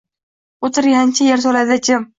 Oʻtirgancha yertoʻlada jim